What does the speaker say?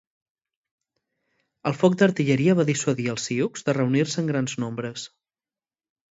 El foc d'artilleria va dissuadir els sioux de reunir-se en grans nombres.